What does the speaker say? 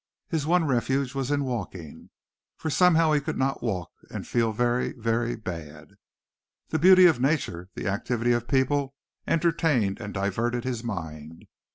His one refuge was in walking, for somehow he could not walk and feel very, very bad. The beauty of nature, the activity of people entertained and diverted his mind.